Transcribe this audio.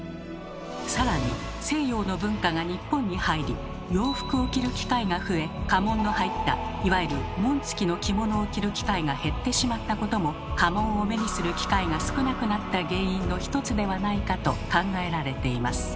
更に西洋の文化が日本に入り洋服を着る機会が増え家紋の入ったいわゆる紋付きの着物を着る機会が減ってしまったことも家紋を目にする機会が少なくなった原因の一つではないかと考えられています。